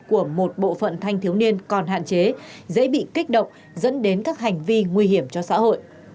của một bộ phận thanh thiếu niên còn hạn chế dễ bị kích động dẫn đến các hành vi nguy hiểm cho xã hội